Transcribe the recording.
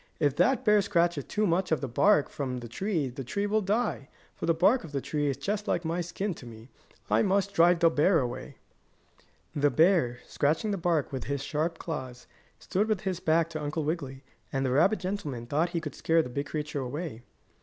"If that bear scratches too much of the bark from the tree the tree will die, for the bark of a tree is just like my skin is to me. I must drive the bear away." The bear, scratching the bark with his sharp claws, stood with his back to Uncle Wiggily, and the rabbit gentleman thought he could scare the big creature away.